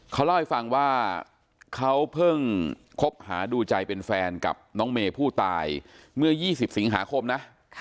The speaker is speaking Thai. เขาเล่าให้ฟังว่าเขาเพิ่งคบหาดูใจเป็นแฟนกับน้องเมย์ผู้ตายเมื่อ๒๐สิงหาคมนะ